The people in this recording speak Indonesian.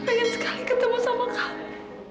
mama pengen sekali ketemu sama kamu